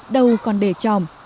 đầu còn đề tròm